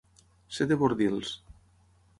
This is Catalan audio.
Ser de Bordils.